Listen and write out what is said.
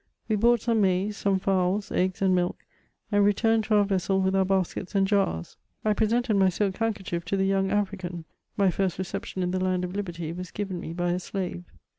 We bought some maize, some fowls, eggs and milk, and returned to our vessel with our baskets and jars. I presented my silk handkerchief to the young African ; my first reception in the land of liberty was given me by a slave.